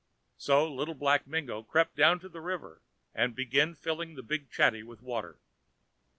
So Little Black Mingo crept down to the river, and began to fill the big chatty with water.